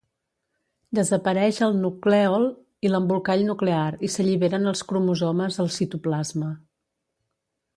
Desapareix el nuclèol i l'embolcall nuclear i s'alliberen els cromosomes al citoplasma.